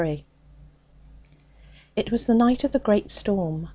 Chapter 33 It was the night of the great storm.